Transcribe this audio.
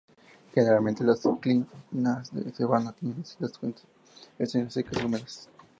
Generalmente, los climas de la sabana tienen distintas estaciones secas y húmedas.